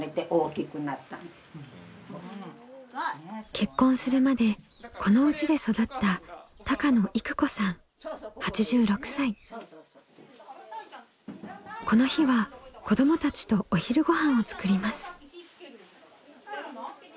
結婚するまでこの家で育ったこの日は子どもたちとお昼ごはんを作ります。